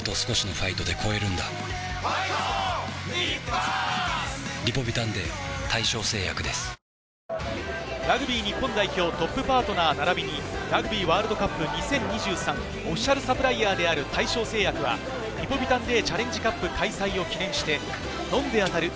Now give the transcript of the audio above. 「ＭＡＲＥ」家は生きる場所へラグビー日本代表トップパートナーならびに、ラグビーワールドカップ２０２３オフィシャルサプライヤーである大正製薬は、リポビタンＤチャレンジカップ開催を記念して、飲んで当たる！